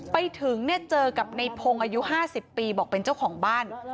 ไปถึงเนี่ยเจอกับในพงศ์อายุ๕๐ปีบอกเป็นเจ้าของบ้าน